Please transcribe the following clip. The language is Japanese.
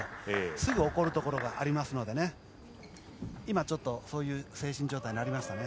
すぐ怒るところがありますので今、そういう精神状態になりましたね。